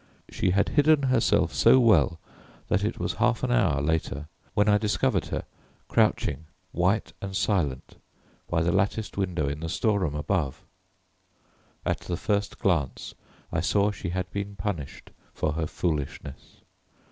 She had hidden herself so well that it was half an hour later when I discovered her crouching white and silent by the latticed window in the store room above. At the first glance I saw she had been punished for her foolishness.